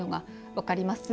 分かります。